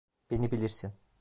Beni bilirsin.